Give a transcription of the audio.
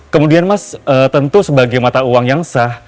kemudian mas tentu sebagai mata uang yang sah